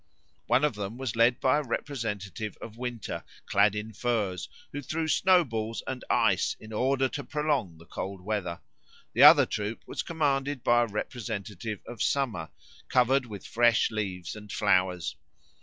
One of them was led by a representative of Winter clad in furs, who threw snowballs and ice in order to prolong the cold weather. The other troop was commanded by a representative of Summer covered with fresh leaves and flowers.